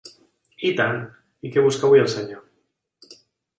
I tant, i què busca avui el senyor?